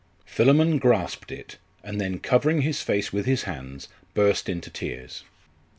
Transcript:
Philammon grasped it, and then covering his face with his hands, burst into tears.